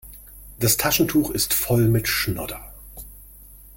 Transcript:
Das Taschentuch ist voll mit Schnodder.